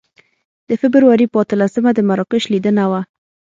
د فبروري په اتلسمه د مراکش لیدنه وه.